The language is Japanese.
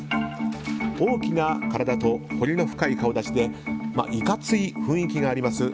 大きな体と彫りの深い顔立ちでいかつい雰囲気があります